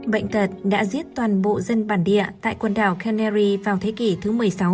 bệnh tật đã giết toàn bộ dân bản địa tại quần đảo canery vào thế kỷ thứ một mươi sáu